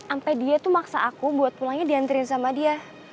sampai dia tuh maksa aku buat pulangnya diantri sama dia